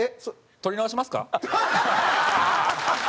撮り直しますか？